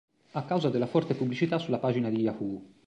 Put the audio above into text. A causa della forte pubblicità sulla pagina di Yahoo!